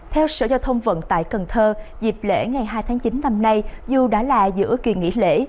theo sở giao thông vận tại cần thơ dịp lễ ngày hai tháng chín năm nay dù đã là giữa kỳ nghỉ lễ